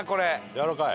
やわらかい？